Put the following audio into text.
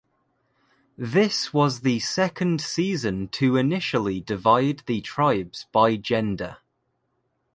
This was the second season to initially divide the tribes by gender.